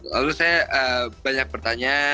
lalu saya banyak bertanya